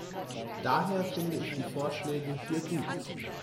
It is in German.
Daher finde ich die Vorschläge hier gut.